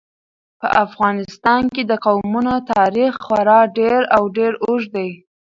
په افغانستان کې د قومونه تاریخ خورا ډېر او ډېر اوږد دی.